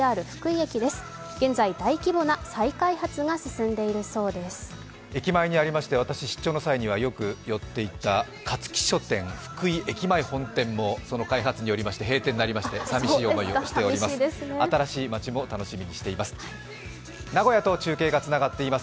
駅前にありまして、私、出張の際にはよく行っていたかつき書店福井駅前本店もその開発によりまして閉店になりましてさみしい思いをしております。